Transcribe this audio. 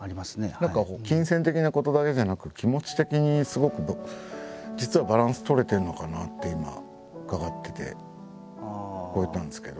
何か金銭的なことだけじゃなく気持ち的にすごく実はバランス取れてるのかなって今伺ってて聞こえたんですけど。